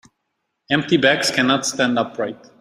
Empty bags cannot stand upright.